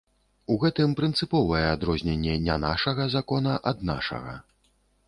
У гэтым прынцыповае адрозненне не нашага закона ад нашага.